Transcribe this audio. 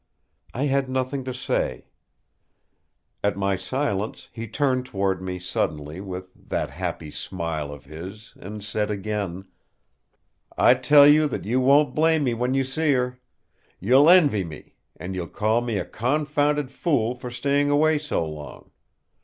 I had nothing to say. At my silence he turned toward me suddenly, with that happy smile of his, and said again: "I tell you that you won't blame me when you see her. You'll envy me, and you'll call me a confounded fool for staying away so long.